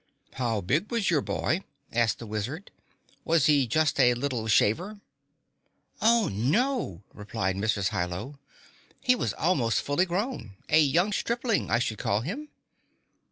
"How big was your boy?" asked the Wizard. "Was he just a little shaver?" "Oh, no," replied Mrs. Hi Lo. "He was almost fully grown a young stripling, I should call him."